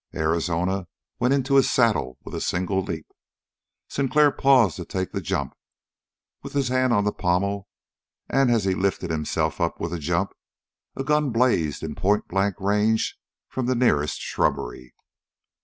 Arizona went into his saddle with a single leap. Sinclair paused to take the jump, with his hand on the pommel, and as he lifted himself up with a jump, a gun blazed in point blank range from the nearest shrubbery.